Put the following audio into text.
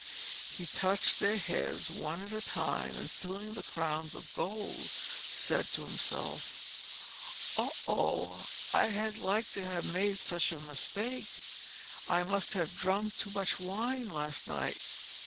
He touched their heads one at a time, and feeling the crowns of gold, said to himself, "Oh, oh! I had like to have made such a mistake. I must have drunk too much wine last night."